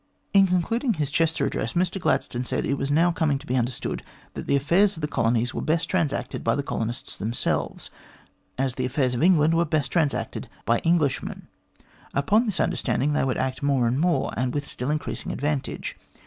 In concluding his Chester address, Mr Gladstone said it was now coming to be understood that the affairs of the colonies were best transacted by the colonists themselves, as the affairs of England were best transacted by English men. Upon this understanding they would act more and more, and with still increasing advantage.